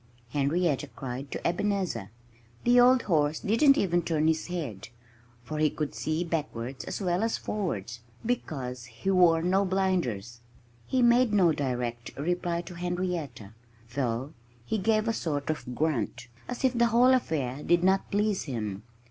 Henrietta cried to Ebenezer. The old horse didn't even turn his head, for he could see backwards as well as forwards, because he wore no blinders. He made no direct reply to Henrietta, though he gave a sort of grunt, as if the whole affair did not please him.